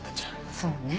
そうね